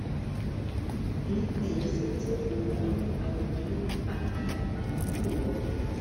Blithe yasetse Umwami Arthur ati Nyakubahwa